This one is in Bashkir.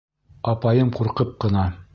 Апайым ҡурҡып ҡына: